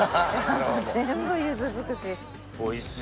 全部ゆず尽くし。